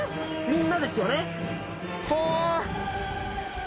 みんなですよね？